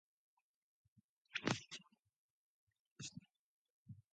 Flowering has been observed in November.